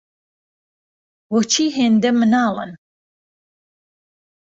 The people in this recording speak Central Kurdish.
بۆچی هێندە مناڵن؟